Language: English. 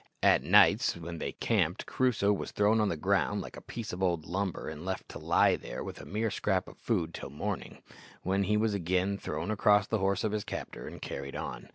At nights, when they encamped, Crusoe was thrown on the ground like a piece of old lumber, and left to lie there with a mere scrap of food till morning, when he was again thrown across the horse of his captor and carried on.